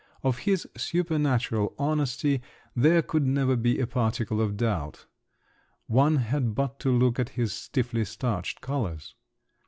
Of his supernatural honesty there could never be a particle of doubt: one had but to look at his stiffly starched collars!